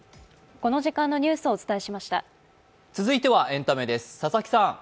続いてはエンタメです。